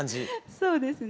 そうですね。